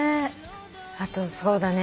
あとそうだね。